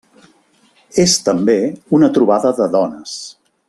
És també una trobada de dones.